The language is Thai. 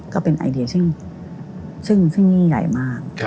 ก็เป็นไอเดียซึ่งยิ่งใหญ่มาก